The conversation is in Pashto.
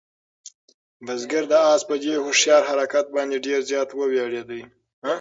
بزګر د آس په دې هوښیار حرکت باندې ډېر زیات وویاړېده.